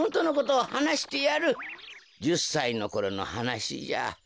１０さいのころのはなしじゃ。